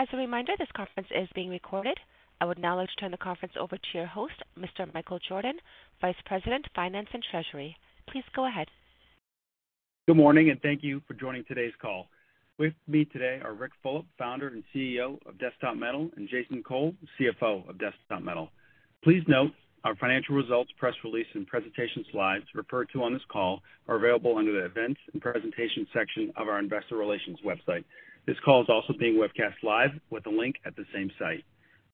As a reminder, this conference is being recorded. I would now like to turn the conference over to your host, Mr. Michael Jordan, Vice President, Finance and Treasury. Please go ahead. Good morning, and thank you for joining today's call. With me today are Ric Fulop, Founder and CEO of Desktop Metal, and Jason Cole, CFO of Desktop Metal. Please note our financial results, press release, and presentation slides referred to on this call are available under the Events and Presentation section of our investor relations website. This call is also being webcast live with a link at the same site.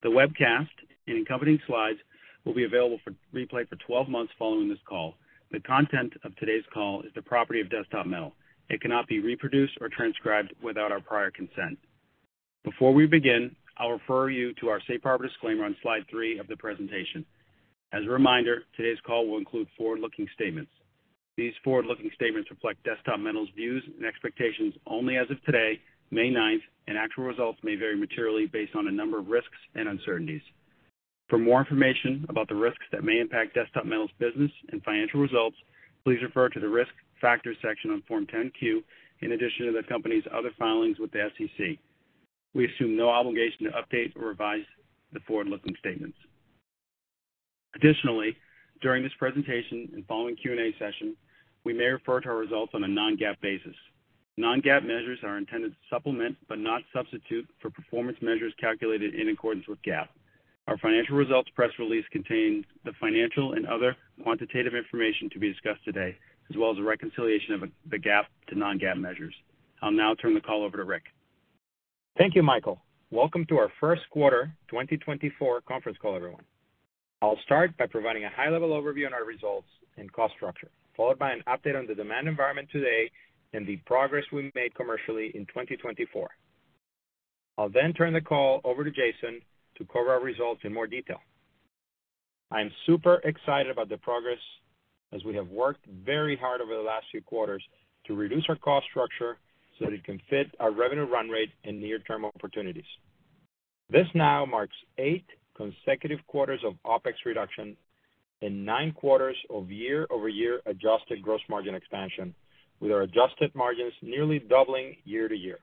The webcast and accompanying slides will be available for replay for 12 months following this call. The content of today's call is the property of Desktop Metal. It cannot be reproduced or transcribed without our prior consent. Before we begin, I'll refer you to our safe harbor disclaimer on slide three of the presentation. As a reminder, today's call will include forward-looking statements. These forward-looking statements reflect Desktop Metal's views and expectations only as of today, May ninth, and actual results may vary materially based on a number of risks and uncertainties. For more information about the risks that may impact Desktop Metal's business and financial results, please refer to the Risk Factors section on Form 10-Q, in addition to the company's other filings with the SEC. We assume no obligation to update or revise the forward-looking statements. Additionally, during this presentation and following Q&A session, we may refer to our results on a non-GAAP basis. Non-GAAP measures are intended to supplement, but not substitute, for performance measures calculated in accordance with GAAP. Our financial results press release contains the financial and other quantitative information to be discussed today, as well as a reconciliation of the GAAP to non-GAAP measures. I'll now turn the call over to Ric. Thank you, Michael. Welcome to our first quarter 2024 conference call, everyone. I'll start by providing a high-level overview on our results and cost structure, followed by an update on the demand environment today and the progress we made commercially in 2024. I'll then turn the call over to Jason to cover our results in more detail. I'm super excited about the progress, as we have worked very hard over the last few quarters to reduce our cost structure so that it can fit our revenue run rate and near-term opportunities. This now marks eight consecutive quarters of OpEx reduction and nine quarters of year-over-year adjusted gross margin expansion, with our adjusted margins nearly doubling year to year.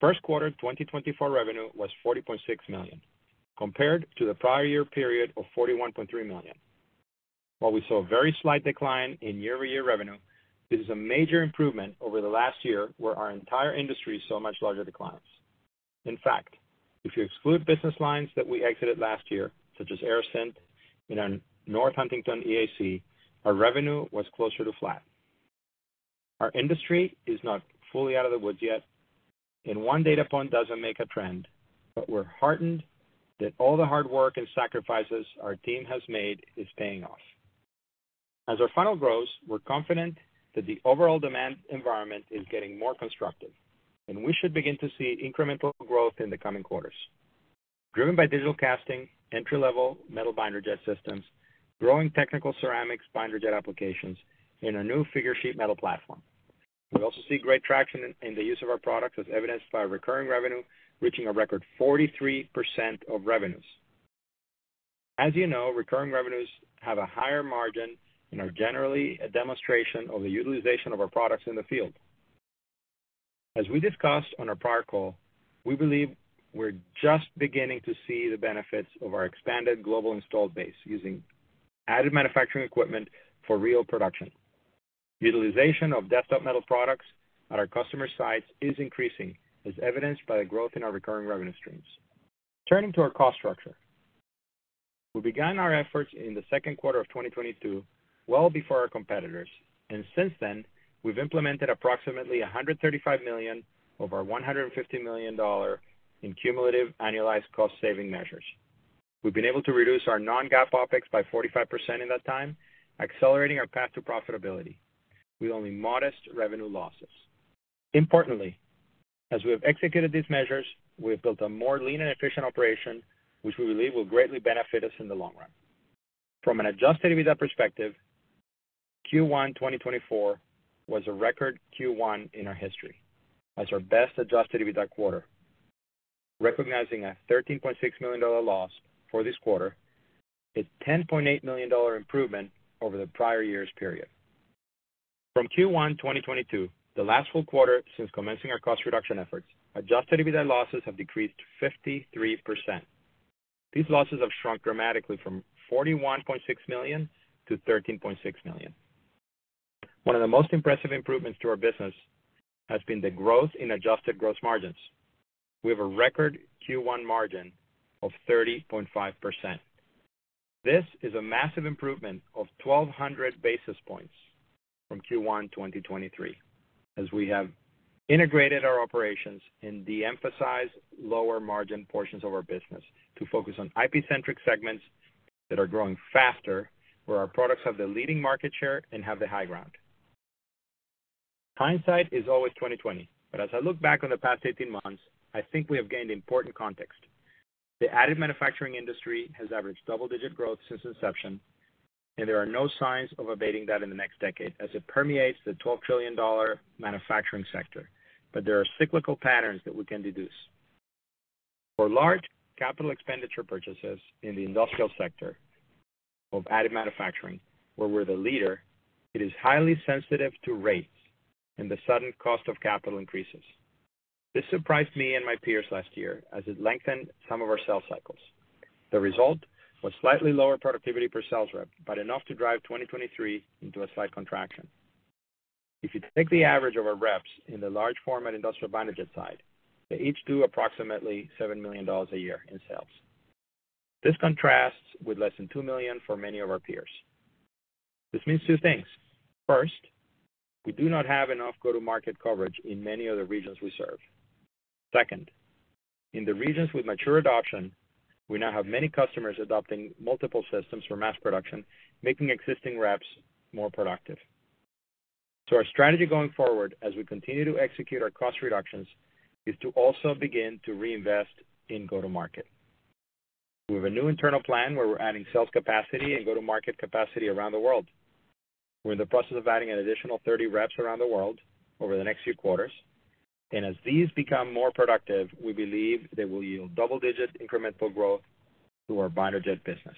First quarter 2024 revenue was $40.6 million, compared to the prior year period of $41.3 million. While we saw a very slight decline in year-over-year revenue, it is a major improvement over the last year, where our entire industry saw much larger declines. In fact, if you exclude business lines that we exited last year, such as Aerosint and our North Huntingdon EAC, our revenue was closer to flat. Our industry is not fully out of the woods yet, and one data point doesn't make a trend, but we're heartened that all the hard work and sacrifices our team has made is paying off. As our funnel grows, we're confident that the overall demand environment is getting more constructive, and we should begin to see incremental growth in the coming quarters, driven by digital casting, entry-level metal binder jet systems, growing technical ceramics binder jet applications, and our new Figur sheet metal platform. We also see great traction in the use of our products, as evidenced by recurring revenue reaching a record 43% of revenues. As you know, recurring revenues have a higher margin and are generally a demonstration of the utilization of our products in the field. As we discussed on our prior call, we believe we're just beginning to see the benefits of our expanded global installed base using additive manufacturing equipment for real production. Utilization of Desktop Metal products at our customer sites is increasing, as evidenced by the growth in our recurring revenue streams. Turning to our cost structure. We began our efforts in the second quarter of 2022, well before our competitors, and since then, we've implemented approximately $135 million of our $150 million in cumulative annualized cost saving measures. We've been able to reduce our non-GAAP OpEx by 45% in that time, accelerating our path to profitability with only modest revenue losses. Importantly, as we have executed these measures, we have built a more lean and efficient operation, which we believe will greatly benefit us in the long run. From an adjusted EBITDA perspective, Q1 2024 was a record Q1 in our history as our best adjusted EBITDA quarter, recognizing a $13.6 million loss for this quarter, a $10.8 million improvement over the prior year's period. From Q1 2022, the last full quarter since commencing our cost reduction efforts, adjusted EBITDA losses have decreased 53%. These losses have shrunk dramatically from $41.6 million to $13.6 million. One of the most impressive improvements to our business has been the growth in adjusted gross margins. We have a record Q1 margin of 30.5%. This is a massive improvement of 1,200 basis points from Q1 2023, as we have integrated our operations and de-emphasized lower margin portions of our business to focus on IP-centric segments that are growing faster, where our products have the leading market share and have the high ground. Hindsight is always 20/20, but as I look back on the past 18 months, I think we have gained important context. The additive manufacturing industry has averaged double-digit growth since inception, and there are no signs of abating that in the next decade, as it permeates the $12 trillion manufacturing sector. But there are cyclical patterns that we can deduce. For large capital expenditure purchases in the industrial sector. of additive manufacturing, where we're the leader, it is highly sensitive to rates and the sudden cost of capital increases. This surprised me and my peers last year as it lengthened some of our sales cycles. The result was slightly lower productivity per sales rep, but enough to drive 2023 into a slight contraction. If you take the average of our reps in the large format industrial binder jet side, they each do approximately $7 million a year in sales. This contrasts with less than $2 million for many of our peers. This means two things. First, we do not have enough go-to-market coverage in many of the regions we serve. Second, in the regions with mature adoption, we now have many customers adopting multiple systems for mass production, making existing reps more productive. So our strategy going forward, as we continue to execute our cost reductions, is to also begin to reinvest in go-to-market. We have a new internal plan where we're adding sales capacity and go-to-market capacity around the world. We're in the process of adding an additional 30 reps around the world over the next few quarters, and as these become more productive, we believe they will yield double-digit incremental growth to our binder jet business.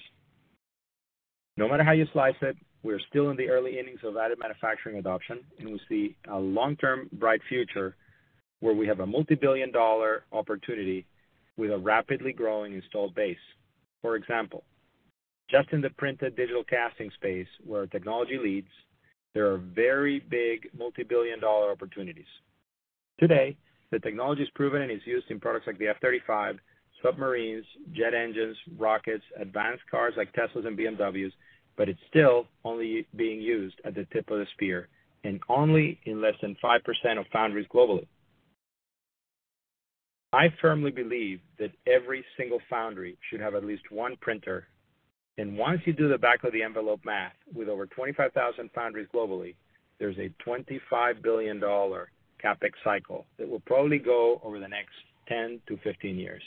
No matter how you slice it, we're still in the early innings of additive manufacturing adoption, and we see a long-term bright future where we have a multibillion-dollar opportunity with a rapidly growing installed base. For example, just in the printed digital casting space, where our technology leads, there are very big multibillion-dollar opportunities. Today, the technology is proven and is used in products like the F-35, submarines, jet engines, rockets, advanced cars like Teslas and BMWs, but it's still only being used at the tip of the spear and only in less than 5% of foundries globally. I firmly believe that every single foundry should have at least one printer, and once you do the back of the envelope math, with over 25,000 foundries globally, there's a $25 billion CapEx cycle that will probably go over the next 10-15 years.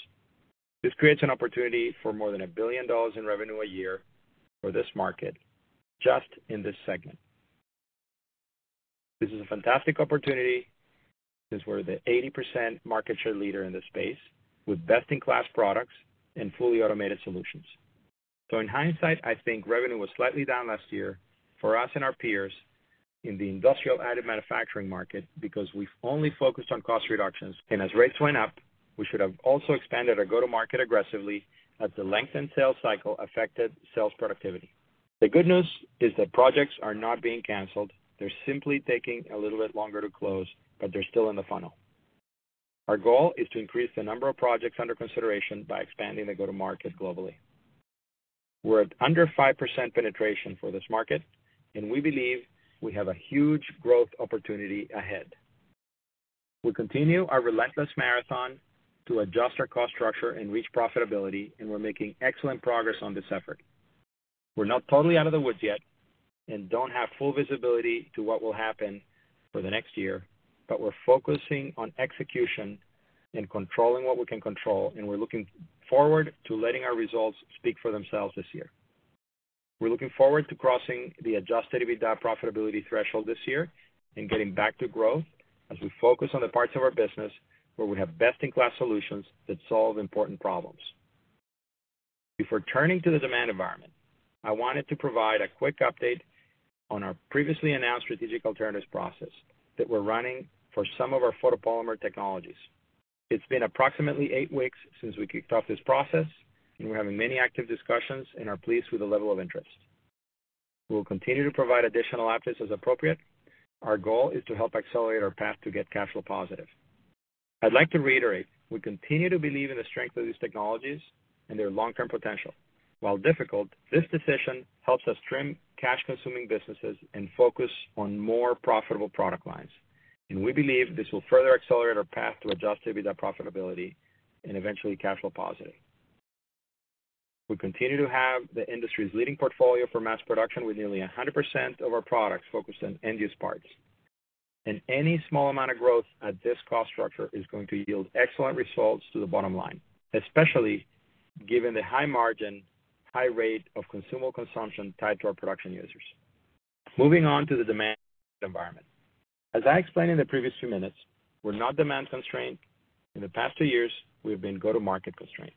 This creates an opportunity for more than $1 billion in revenue a year for this market, just in this segment. This is a fantastic opportunity, since we're the 80% market share leader in this space, with best-in-class products and fully automated solutions. So in hindsight, I think revenue was slightly down last year for us and our peers in the industrial additive manufacturing market because we've only focused on cost reductions, and as rates went up, we should have also expanded our go-to-market aggressively, as the lengthened sales cycle affected sales productivity. The good news is that projects are not being canceled. They're simply taking a little bit longer to close, but they're still in the funnel. Our goal is to increase the number of projects under consideration by expanding the go-to-market globally. We're at under 5% penetration for this market, and we believe we have a huge growth opportunity ahead. We'll continue our relentless marathon to adjust our cost structure and reach profitability, and we're making excellent progress on this effort. We're not totally out of the woods yet and don't have full visibility to what will happen for the next year, but we're focusing on execution and controlling what we can control, and we're looking forward to letting our results speak for themselves this year. We're looking forward to crossing the Adjusted EBITDA profitability threshold this year and getting back to growth as we focus on the parts of our business where we have best-in-class solutions that solve important problems. Before turning to the demand environment, I wanted to provide a quick update on our previously announced strategic alternatives process that we're running for some of our Photopolymer technologies. It's been approximately eight weeks since we kicked off this process, and we're having many active discussions and are pleased with the level of interest. We'll continue to provide additional updates as appropriate. Our goal is to help accelerate our path to get cash flow positive. I'd like to reiterate, we continue to believe in the strength of these technologies and their long-term potential. While difficult, this decision helps us trim cash-consuming businesses and focus on more profitable product lines, and we believe this will further accelerate our path to Adjusted EBITDA profitability and eventually cash flow positive. We continue to have the industry's leading portfolio for mass production, with nearly 100% of our products focused on end-use parts. And any small amount of growth at this cost structure is going to yield excellent results to the bottom line, especially given the high margin, high rate of consumable consumption tied to our production users. Moving on to the demand environment. As I explained in the previous few minutes, we're not demand constrained. In the past two years, we've been go-to-market constrained.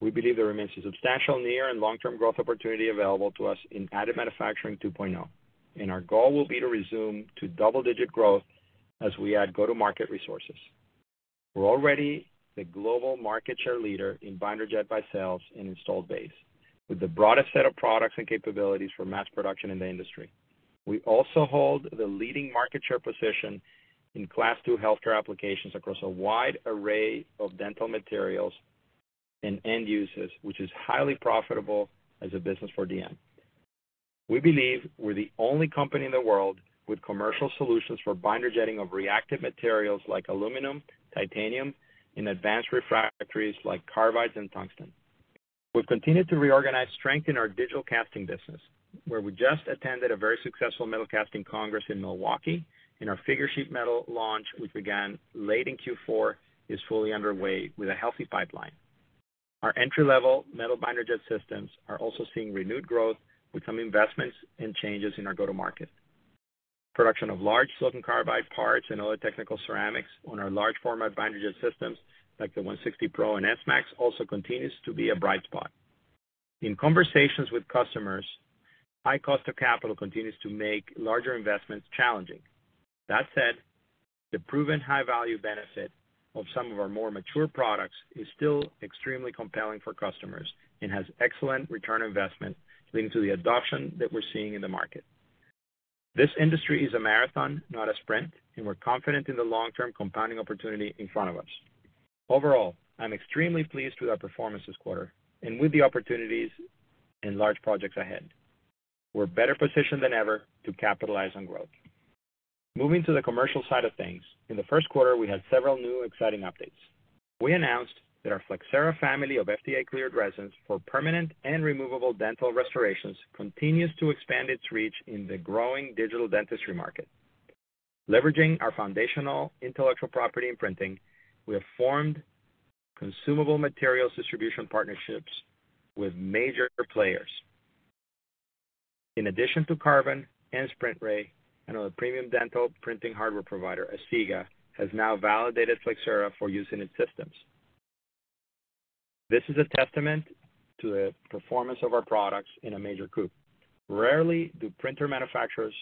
We believe there remains a substantial near- and long-term growth opportunity available to us in additive manufacturing 2.0, and our goal will be to resume double-digit growth as we add go-to-market resources. We're already the global market share leader in binder jetting by sales and installed base, with the broadest set of products and capabilities for mass production in the industry. We also hold the leading market share position in Class II healthcare applications across a wide array of dental materials and end users, which is highly profitable as a business for DM. We believe we're the only company in the world with commercial solutions for binder jetting of reactive materials like aluminum, titanium, and advanced refractories like carbides and tungsten. We've continued to reorganize strength in our digital casting business, where we just attended a very successful Metalcasting Congress in Milwaukee, and our Figur sheet metal launch, which began late in Q4, is fully underway with a healthy pipeline. Our entry-level metal binder jet systems are also seeing renewed growth with some investments and changes in our go-to-market. Production of large silicon carbide parts and other technical ceramics on our large format binder jet systems, like the X160Pro and S-Max, also continues to be a bright spot. In conversations with customers, high cost of capital continues to make larger investments challenging. That said, the proven high value benefit of some of our more mature products is still extremely compelling for customers and has excellent return on investment, leading to the adoption that we're seeing in the market. This industry is a marathon, not a sprint, and we're confident in the long-term compounding opportunity in front of us. Overall, I'm extremely pleased with our performance this quarter and with the opportunities and large projects ahead. We're better positioned than ever to capitalize on growth. Moving to the commercial side of things, in the first quarter, we had several new exciting updates. We announced that our Flexcera family of FDA-cleared resins for permanent and removable dental restorations continues to expand its reach in the growing digital dentistry market. Leveraging our foundational intellectual property and printing, we have formed consumable materials distribution partnerships with major players. In addition to Carbon and SprintRay, another premium dental printing hardware provider, Asiga, has now validated Flexcera for use in its systems. This is a testament to the performance of our products in a major group. Rarely do printer manufacturers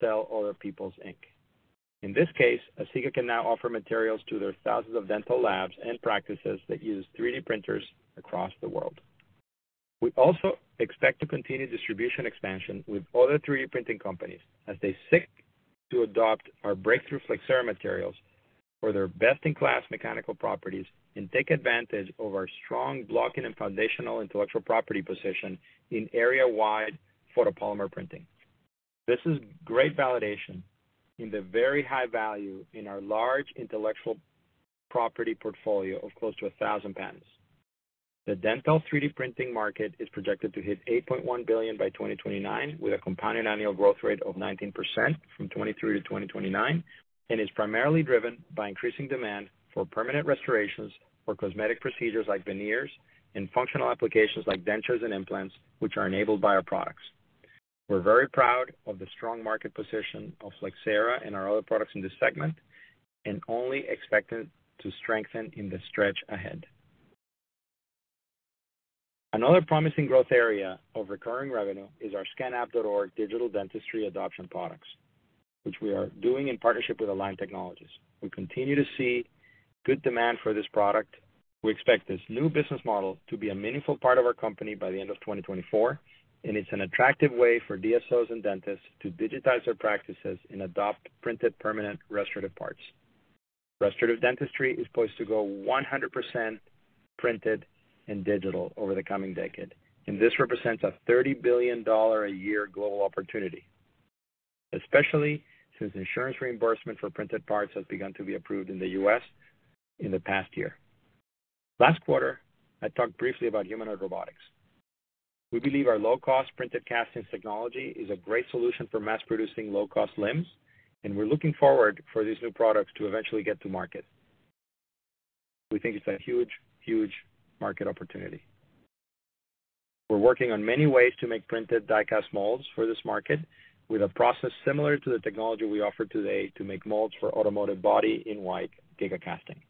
sell other people's ink. In this case, Asiga can now offer materials to their thousands of dental labs and practices that use 3D printers across the world. We also expect to continue distribution expansion with other 3D printing companies as they seek to adopt our breakthrough Flexcera materials for their best-in-class mechanical properties and take advantage of our strong blocking and foundational intellectual property position in area-wide photopolymer printing. This is great validation in the very high value in our large intellectual property portfolio of close to 1,000 patents. The dental 3D printing market is projected to hit $8.1 billion by 2029, with a compounded annual growth rate of 19% from 2023 to 2029, and is primarily driven by increasing demand for permanent restorations for cosmetic procedures like veneers and functional applications like dentures and implants, which are enabled by our products. We're very proud of the strong market position of Flexcera and our other products in this segment, and only expect it to strengthen in the stretch ahead. Another promising growth area of recurring revenue is our ScanUp.org digital dentistry adoption products, which we are doing in partnership with Align Technology. We continue to see good demand for this product. We expect this new business model to be a meaningful part of our company by the end of 2024, and it's an attractive way for DSOs and dentists to digitize their practices and adopt printed permanent restorative parts. Restorative dentistry is poised to go 100% printed and digital over the coming decade, and this represents a $30 billion a year global opportunity, especially since insurance reimbursement for printed parts has begun to be approved in the U.S. in the past year. Last quarter, I talked briefly about humanoid robotics. We believe our low-cost printed castings technology is a great solution for mass producing low-cost limbs, and we're looking forward for these new products to eventually get to market. We think it's a huge, huge market opportunity. We're working on many ways to make printed die-cast molds for this market, with a process similar to the technology we offer today to make molds for automotive body-in-white gigacasting.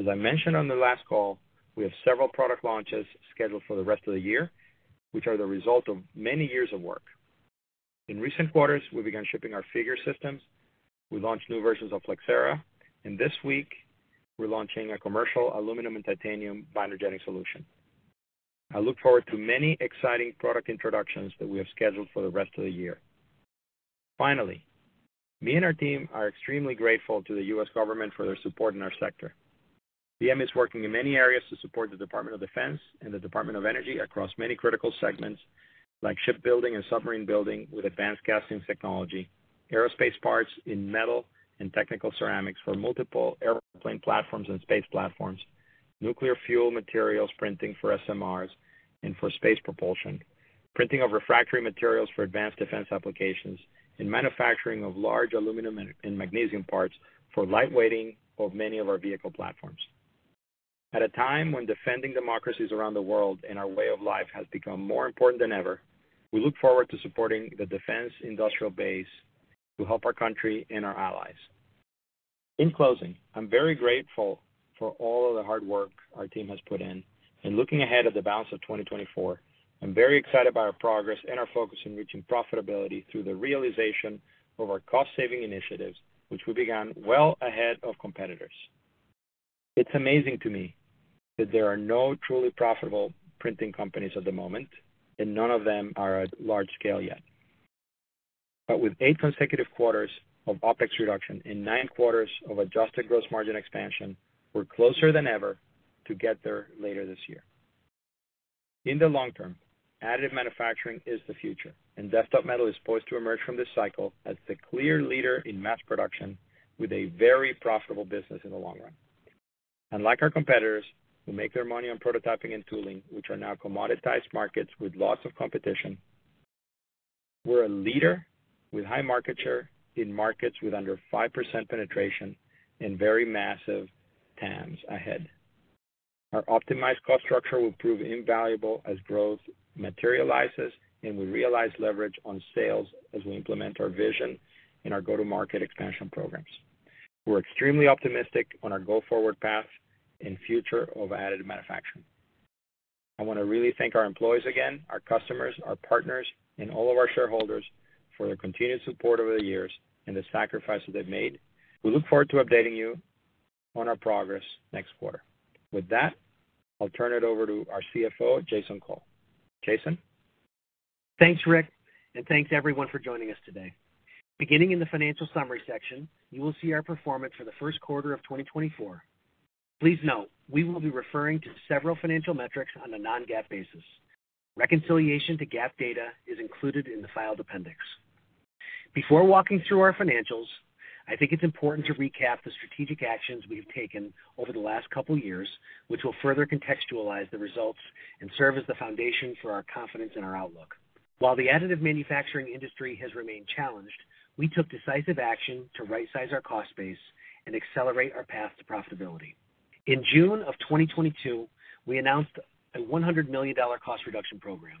As I mentioned on the last call, we have several product launches scheduled for the rest of the year, which are the result of many years of work. In recent quarters, we began shipping our Figur systems. We launched new versions of Flexcera, and this week, we're launching a commercial aluminum and titanium binder jetting solution. I look forward to many exciting product introductions that we have scheduled for the rest of the year. Finally, me and our team are extremely grateful to the U.S. government for their support in our sector. DM is working in many areas to support the Department of Defense and the Department of Energy across many critical segments, like shipbuilding and submarine building with advanced castings technology, aerospace parts in metal and technical ceramics for multiple airplane platforms and space platforms, nuclear fuel materials printing for SMRs and for space propulsion, printing of refractory materials for advanced defense applications, and manufacturing of large aluminum and magnesium parts for light weighting of many of our vehicle platforms. At a time when defending democracies around the world and our way of life has become more important than ever, we look forward to supporting the defense industrial base to help our country and our allies. In closing, I'm very grateful for all of the hard work our team has put in. Looking ahead at the balance of 2024, I'm very excited about our progress and our focus on reaching profitability through the realization of our cost-saving initiatives, which we began well ahead of competitors. It's amazing to me that there are no truly profitable printing companies at the moment, and none of them are at large scale yet. But with eight consecutive quarters of OpEx reduction and nine quarters of adjusted gross margin expansion, we're closer than ever to get there later this year. In the long term, additive manufacturing is the future, and Desktop Metal is poised to emerge from this cycle as the clear leader in mass production, with a very profitable business in the long run. Unlike our competitors who make their money on prototyping and tooling, which are now commoditized markets with lots of competition, we're a leader with high market share in markets with under 5% penetration and very massive TAMs ahead. Our optimized cost structure will prove invaluable as growth materializes, and we realize leverage on sales as we implement our vision in our go-to-market expansion programs. We're extremely optimistic on our go-forward path and future of additive manufacturing. I want to really thank our employees again, our customers, our partners, and all of our shareholders for their continued support over the years and the sacrifices they've made. We look forward to updating you on our progress next quarter. With that, I'll turn it over to our CFO, Jason Cole. Jason? Thanks, Ric, and thanks to everyone for joining us today. Beginning in the financial summary section, you will see our performance for the first quarter of 2024. Please note, we will be referring to several financial metrics on a non-GAAP basis. Reconciliation to GAAP data is included in the filed appendix. Before walking through our financials, I think it's important to recap the strategic actions we have taken over the last couple years, which will further contextualize the results and serve as the foundation for our confidence and our outlook. While the additive manufacturing industry has remained challenged, we took decisive action to rightsize our cost base and accelerate our path to profitability. In June of 2022, we announced a $100 million cost reduction program.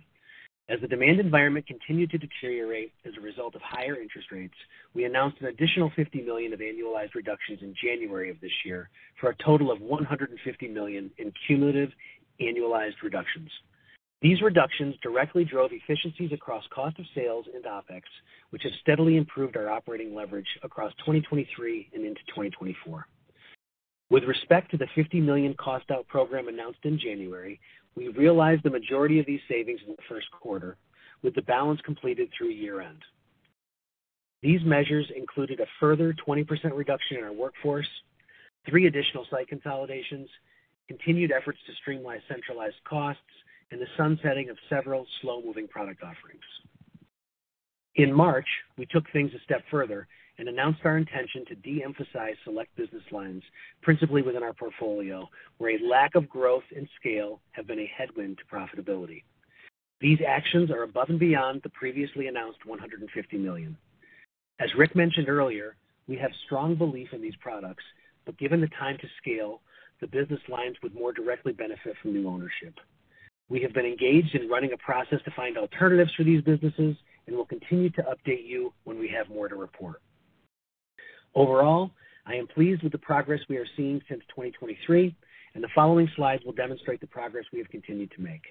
As the demand environment continued to deteriorate as a result of higher interest rates, we announced an additional $50 million of annualized reductions in January of this year, for a total of $150 million in cumulative annualized reductions. These reductions directly drove efficiencies across cost of sales and OpEx, which has steadily improved our operating leverage across 2023 and into 2024. With respect to the $50 million cost-out program announced in January, we realized the majority of these savings in the first quarter, with the balance completed through year-end. These measures included a further 20% reduction in our workforce, three additional site consolidations, continued efforts to streamline centralized costs, and the sunsetting of several slow-moving product offerings. In March, we took things a step further and announced our intention to de-emphasize select business lines, principally within our portfolio, where a lack of growth and scale have been a headwind to profitability. These actions are above and beyond the previously announced $150 million. As Ric mentioned earlier, we have strong belief in these products, but given the time to scale, the business lines would more directly benefit from new ownership. We have been engaged in running a process to find alternatives for these businesses and will continue to update you when we have more to report. Overall, I am pleased with the progress we are seeing since 2023, and the following slides will demonstrate the progress we have continued to make.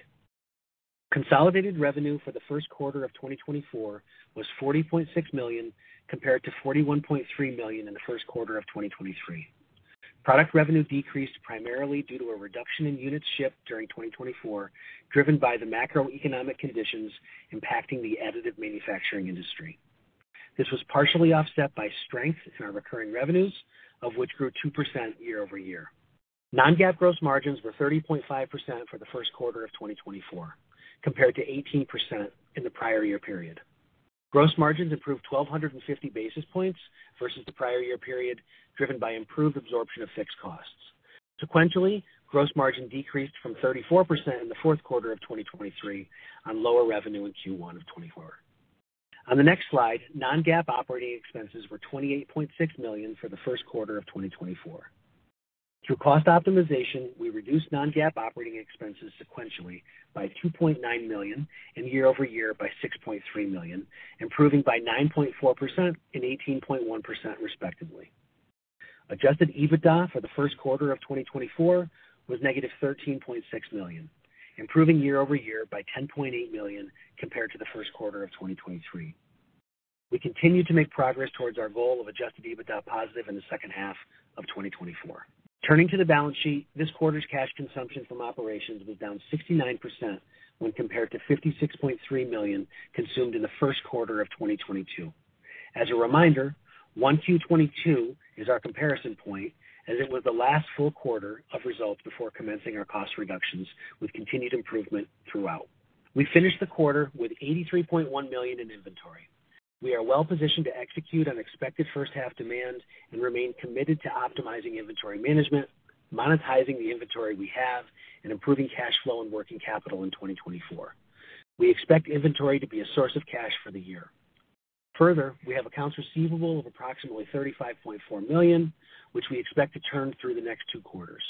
Consolidated revenue for the first quarter of 2024 was $40.6 million, compared to $41.3 million in the first quarter of 2023. Product revenue decreased primarily due to a reduction in units shipped during 2024, driven by the macroeconomic conditions impacting the additive manufacturing industry. This was partially offset by strength in our recurring revenues, of which grew 2% year-over-year. Non-GAAP gross margins were 30.5% for the first quarter of 2024, compared to 18% in the prior year period. Gross margins improved 1,250 basis points versus the prior year period, driven by improved absorption of fixed costs. Sequentially, gross margin decreased from 34% in the fourth quarter of 2023 on lower revenue in Q1 of 2024. On the next slide, non-GAAP operating expenses were $28.6 million for the first quarter of 2024. Through cost optimization, we reduced non-GAAP operating expenses sequentially by $2.9 million and year-over-year by $6.3 million, improving by 9.4% and 18.1%, respectively. Adjusted EBITDA for the first quarter of 2024 was -$13.6 million, improving year-over-year by $10.8 million compared to the first quarter of 2023. We continue to make progress towards our goal of adjusted EBITDA positive in the second half of 2024. Turning to the balance sheet, this quarter's cash consumption from operations was down 69% when compared to $56.3 million consumed in the first quarter of 2022. As a reminder, 1Q22 is our comparison point, as it was the last full quarter of results before commencing our cost reductions, with continued improvement throughout. We finished the quarter with $83.1 million in inventory. We are well positioned to execute on expected first half demand and remain committed to optimizing inventory management, monetizing the inventory we have, and improving cash flow and working capital in 2024. We expect inventory to be a source of cash for the year. Further, we have accounts receivable of approximately $35.4 million, which we expect to turn through the next two quarters.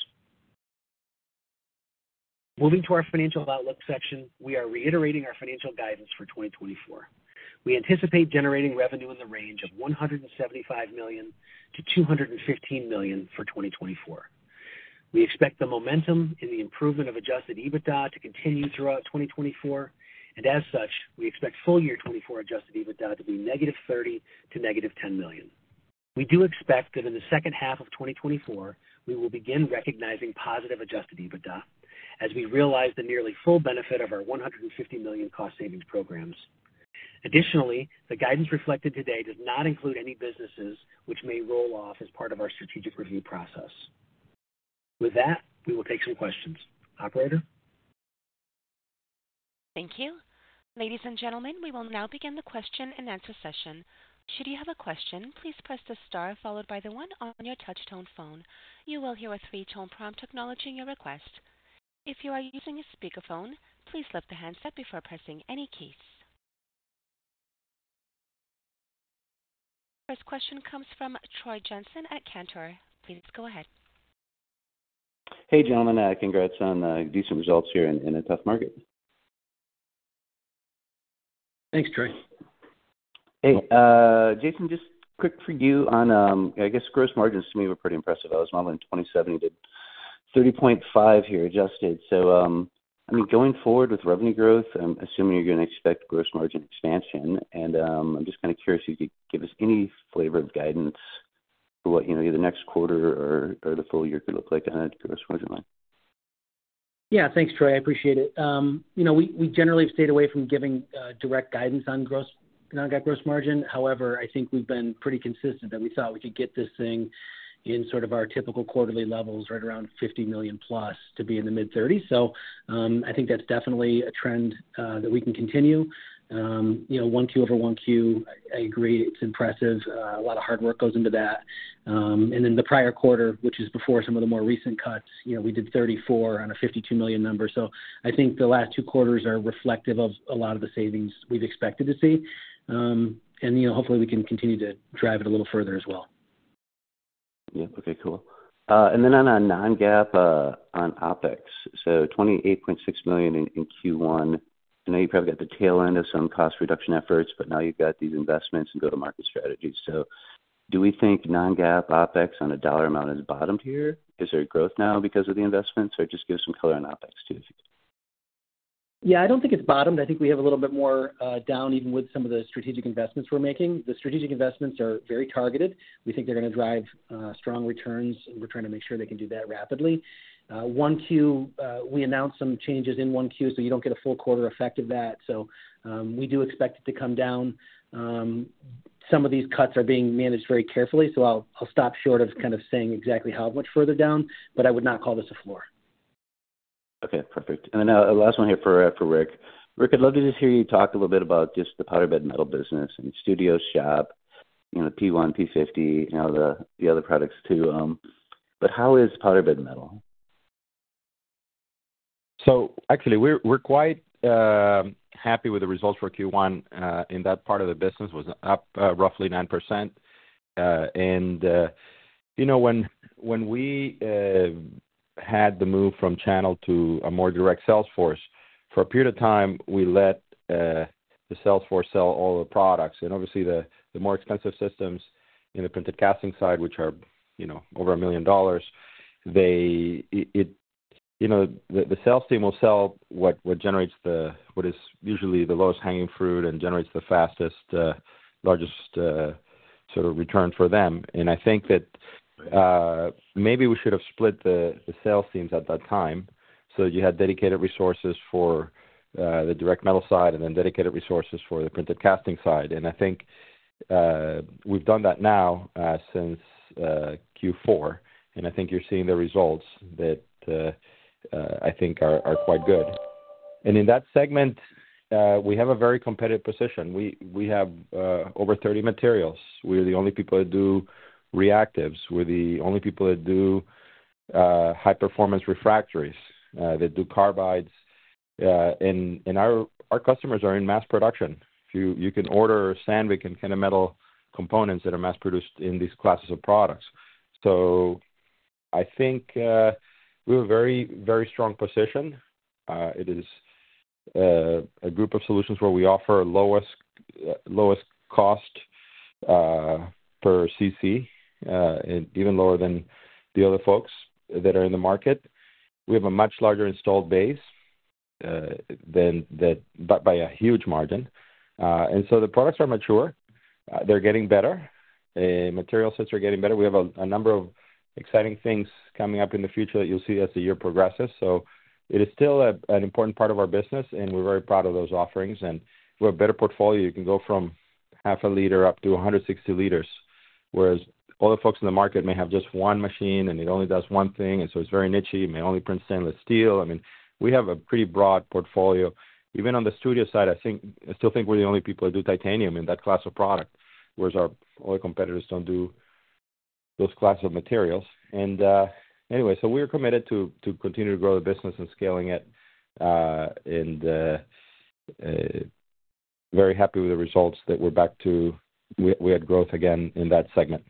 Moving to our financial outlook section, we are reiterating our financial guidance for 2024. We anticipate generating revenue in the range of $175 million-$215 million for 2024. We expect the momentum in the improvement of adjusted EBITDA to continue throughout 2024, and as such, we expect full year 2024 adjusted EBITDA to be -$30 million to -$10 million. We do expect that in the second half of 2024, we will begin recognizing positive adjusted EBITDA as we realize the nearly full benefit of our $150 million cost savings programs. Additionally, the guidance reflected today does not include any businesses which may roll off as part of our strategic review process. With that, we will take some questions. Operator? Thank you. Ladies and gentlemen, we will now begin the question-and-answer session. Should you have a question, please press the star followed by the one on your touchtone phone. You will hear a three-tone prompt acknowledging your request. If you are using a speakerphone, please lift the handset before pressing any keys. First question comes from Troy Jensen at Cantor. Please go ahead. Hey, gentlemen, congrats on decent results here in a tough market. Thanks, Troy. Hey, Jason, just quick for you on, I guess gross margins to me were pretty impressive. I was modeling 27%-30.5% here, adjusted. So, I mean, going forward with revenue growth, I'm assuming you're going to expect gross margin expansion. And, I'm just kind of curious if you could give us any flavor of guidance for what, you know, the next quarter or the full year could look like on a gross margin line. Yeah. Thanks, Troy. I appreciate it. You know, we generally have stayed away from giving direct guidance on gross non-GAAP gross margin. However, I think we've been pretty consistent that we thought we could get this thing in sort of our typical quarterly levels, right around $50 million+ to be in the mid-30s%. So, I think that's definitely a trend that we can continue. You know, quarter-over-quarter, I agree, it's impressive. A lot of hard work goes into that. And then the prior quarter, which is before some of the more recent cuts, you know, we did 34% on a $52 million number. So I think the last two quarters are reflective of a lot of the savings we've expected to see. And, you know, hopefully we can continue to drive it a little further as well. Yeah. Okay, cool. And then on a non-GAAP, on OpEx, so $28.6 million in Q1. I know you've probably got the tail end of some cost reduction efforts, but now you've got these investments and go-to-market strategies. So do we think non-GAAP OpEx on a dollar amount is bottomed here? Is there growth now because of the investments, or just give us some color on OpEx, too? Yeah, I don't think it's bottomed. I think we have a little bit more down, even with some of the strategic investments we're making. The strategic investments are very targeted. We think they're going to drive strong returns. We're trying to make sure they can do that rapidly. 1Q, we announced some changes in 1Q, so you don't get a full quarter effect of that. So, we do expect it to come down. Some of these cuts are being managed very carefully, so I'll stop short of kind of saying exactly how much further down, but I would not call this a floor. Okay, perfect. And then, last one here for Ric. Ric, I'd love to just hear you talk a little bit about just the powder metal business and studio shop, you know, P-1, P-50, you know, the other products, too, but how is powder metal? So actually, we're quite happy with the results for Q1. In that part of the business was up roughly 9%. And you know, when we had the move from channel to a more direct sales force, for a period of time, we let the sales force sell all the products. And obviously, the more expensive systems in the printed casting side, which are, you know, over $1 million, they. It. You know, the sales team will sell what generates the, what is usually the lowest hanging fruit and generates the fastest largest sort of return for them. And I think that maybe we should have split the sales teams at that time. So you had dedicated resources for the direct metal side and then dedicated resources for the printed casting side. And I think we've done that now since Q4, and I think you're seeing the results that I think are quite good. And in that segment we have a very competitive position. We have over 30 materials. We're the only people that do reactives. We're the only people that do high-performance refractories that do carbides. And our customers are in mass production. You can order Sandvik and kind of metal components that are mass produced in these classes of products. So I think we have a very very strong position. It is a group of solutions where we offer lowest, lowest cost per cc, and even lower than the other folks that are in the market. We have a much larger installed base than that, but by a huge margin. And so the products are mature. They're getting better. Material sets are getting better. We have a number of exciting things coming up in the future that you'll see as the year progresses. So it is still an important part of our business, and we're very proud of those offerings, and we have a better portfolio. You can go from half a liter up to 160 l, whereas other folks in the market may have just one machine, and it only does one thing, and so it's very nichey. It may only print stainless steel. I mean, we have a pretty broad portfolio. Even on the studio side, I think, I still think we're the only people that do titanium in that class of product, whereas our other competitors don't do those class of materials. And, anyway, so we're committed to continue to grow the business and scaling it, and very happy with the results that we're back to growth again in that segment,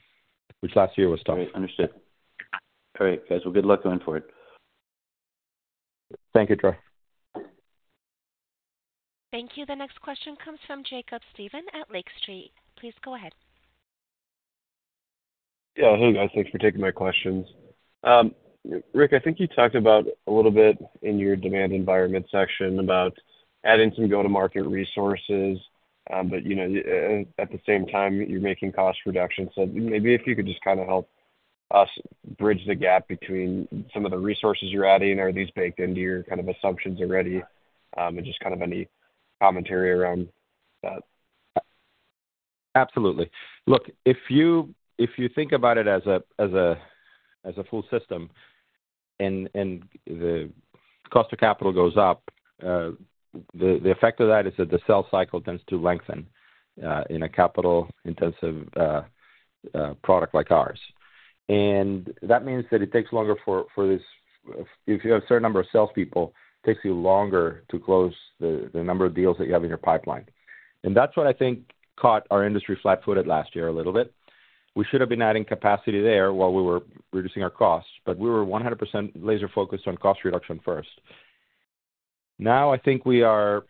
which last year was tough. Great, understood. All right, guys, well, good luck going forward. Thank you, Troy. Thank you. The next question comes from Jacob Stephan at Lake Street. Please go ahead. Yeah. Hey, guys, thanks for taking my questions. Ric, I think you talked about a little bit in your demand environment section about adding some go-to-market resources. But, you know, at the same time, you're making cost reductions. So maybe if you could just kind of help us bridge the gap between some of the resources you're adding. Are these baked into your kind of assumptions already? And just kind of any commentary around that. Absolutely. Look, if you think about it as a full system and the cost of capital goes up, the effect of that is that the sales cycle tends to lengthen in a capital-intensive product like ours. And that means that it takes longer for this, if you have a certain number of salespeople, it takes you longer to close the number of deals that you have in your pipeline. And that's what I think caught our industry flat-footed last year a little bit. We should have been adding capacity there while we were reducing our costs, but we were 100% laser focused on cost reduction first. Now, I think we are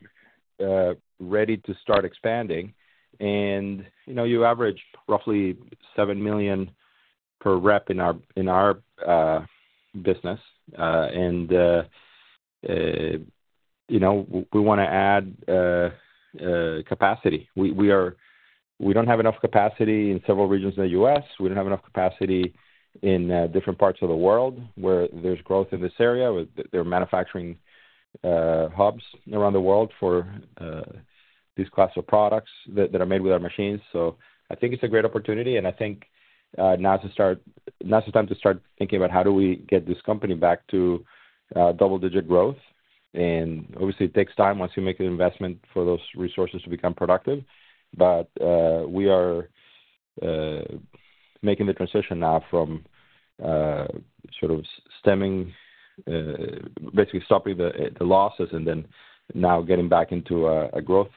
ready to start expanding. And, you know, you average roughly $7 million per rep in our business. And, you know, we wanna add capacity. We don't have enough capacity in several regions in the US. We don't have enough capacity in different parts of the world where there's growth in this area, with there are manufacturing hubs around the world for these class of products that are made with our machines. So I think it's a great opportunity, and I think now is the time to start thinking about how do we get this company back to double-digit growth. And obviously, it takes time once you make an investment for those resources to become productive. But we are making the transition now from sort of stemming basically stopping the losses and then now getting back into a growth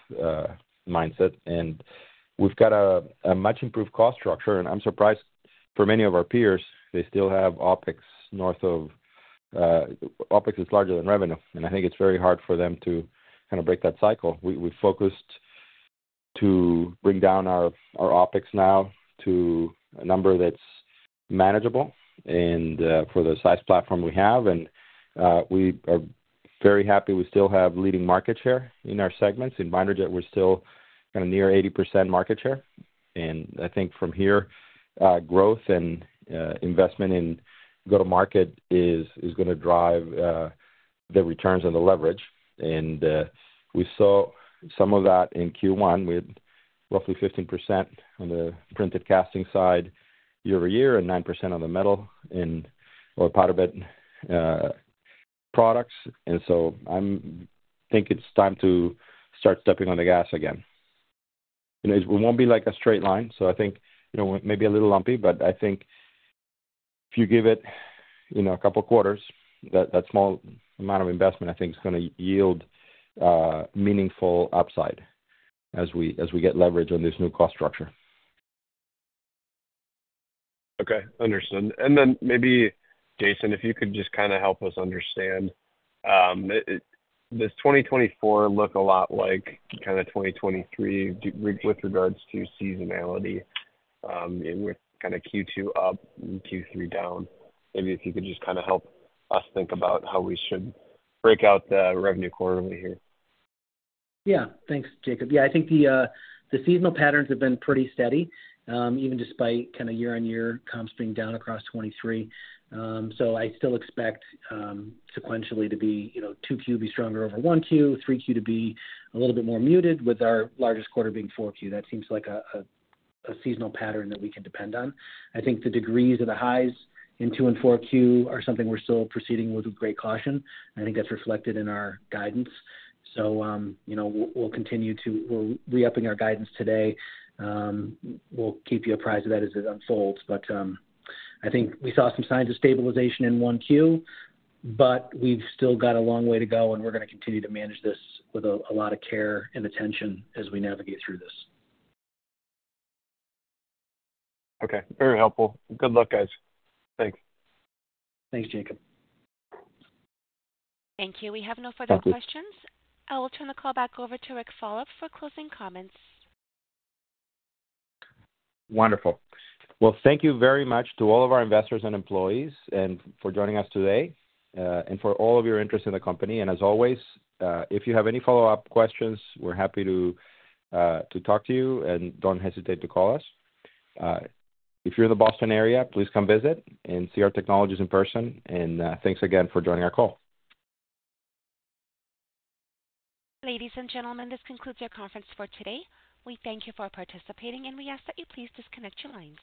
mindset. And we've got a much improved cost structure, and I'm surprised for many of our peers, they still have OpEx north of, OpEx is larger than revenue, and I think it's very hard for them to kind of break that cycle. We focused to bring down our OpEx now to a number that's manageable and for the size platform we have, and we are very happy we still have leading market share in our segments. In binder jet, we're still kind of near 80% market share, and I think from here, growth and investment in go-to-market is gonna drive the returns and the leverage. And we saw some of that in Q1, with roughly 15% on the printed casting side year-over-year, and 9% on the metal and well, part of it products. I think it's time to start stepping on the gas again. It won't be like a straight line, so I think, you know, maybe a little lumpy, but I think if you give it, you know, a couple quarters, that, that small amount of investment, I think is gonna yield meaningful upside as we, as we get leverage on this new cost structure. Okay, understood. And then maybe, Jason, if you could just kind of help us understand, does 2024 look a lot like kind of 2023 with regards to seasonality, and with kind of Q2 up and Q3 down? Maybe if you could just kind of help us think about how we should break out the revenue quarterly here. Yeah. Thanks, Jacob. Yeah, I think the seasonal patterns have been pretty steady, even despite kind of year-on-year comps being down across 2023. So I still expect, sequentially to be, you know, 2Q be stronger over 1Q, 3Q to be a little bit more muted, with our largest quarter being 4Q. That seems like a seasonal pattern that we can depend on. I think the degrees of the highs in 2Q and 4Q are something we're still proceeding with great caution, and I think that's reflected in our guidance. So, you know, we'll continue to... We're re-upping our guidance today. We'll keep you apprised of that as it unfolds. I think we saw some signs of stabilization in 1Q, but we've still got a long way to go, and we're gonna continue to manage this with a lot of care and attention as we navigate through this. Okay, very helpful. Good luck, guys. Thanks. Thanks, Jacob. Thank you. We have no further questions. Thank you. I will turn the call back over to Ric Fulop for closing comments. Wonderful. Well, thank you very much to all of our investors and employees, and for joining us today, and for all of your interest in the company. And as always, if you have any follow-up questions, we're happy to, to talk to you, and don't hesitate to call us. If you're in the Boston area, please come visit and see our technologies in person. And, thanks again for joining our call. Ladies and gentlemen, this concludes your conference for today. We thank you for participating, and we ask that you please disconnect your lines.